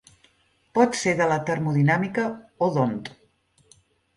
Pot ser de la termodinàmica o D'Hondt.